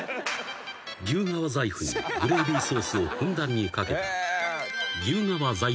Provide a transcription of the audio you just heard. ［牛革財布にグレイビーソースをふんだんに掛けた］